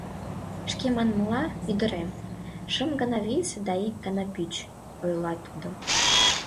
— Шке манмыла, ӱдырем, шым гана висе да ик гана пӱч, — ойла тудо.